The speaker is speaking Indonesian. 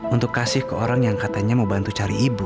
untuk kasih ke orang yang katanya mau bantu cari ibu